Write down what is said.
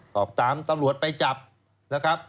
บอกตามตำรวจไปจับนะครับ